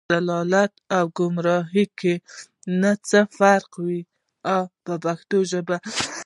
ضلالت او ګمراهۍ کې نه څه فرق و په پښتو ژبه.